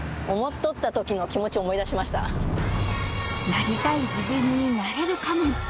「なりたい自分になれるかも」。